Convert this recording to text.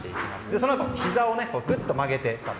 そのあとひざをぐっと曲げて立つ。